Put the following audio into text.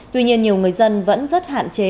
tuy nhiên nhiều người dân vẫn rất hạn chế